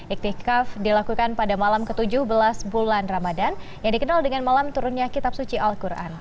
iktikaf dilakukan pada malam ke tujuh belas bulan ramadan yang dikenal dengan malam turunnya kitab suci al quran